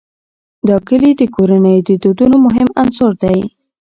دا کلي د کورنیو د دودونو مهم عنصر دی.